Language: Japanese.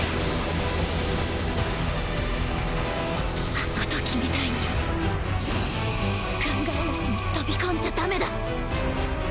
あの時みたいに考えなしに飛び込んじゃダメだ